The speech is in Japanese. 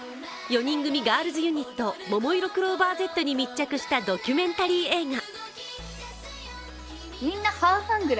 ４人組ガールズユニット、ももいろクローバーＺに密着したドキュメンタリー映画。